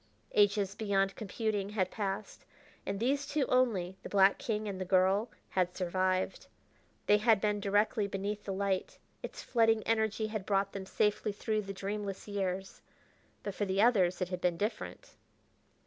Ages beyond computing had passed, and these two only, the black king and the girl, had survived. They had been directly beneath the light; its flooding energy had brought them safely through the dreamless years. But, for the others, it had been different.